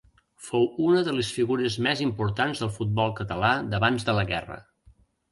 Fou una de les figures més importants del futbol català d'abans de la guerra.